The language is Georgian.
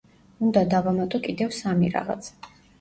უნდა დავამატო კიდევ სამი რაღაც.